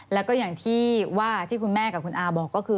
แล้วก็อย่างที่ว่าที่คุณแม่กับคุณอาบอกก็คือ